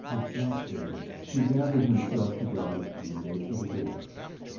Exasperated, he gathered himself together and made for the door.